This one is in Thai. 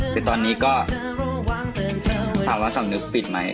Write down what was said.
คือตอนนี้ก็ถามว่าสำนึกผิดไหม